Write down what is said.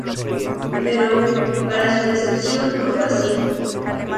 Pero, para su decepción, no fue así.